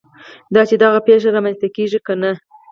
دا چې دغه پېښه رامنځته کېږي که نه.